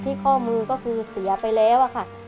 ข้อมือก็คือเสียไปแล้วค่ะ